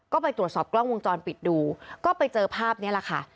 ก็ไปตรวจสอบกล้องวงจรปิดดูก็ไปเจอภาพนี้แหละค่ะ